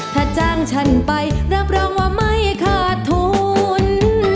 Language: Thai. ถ้าจ้างฉันไปรับรองว่าไม่ขาดทุน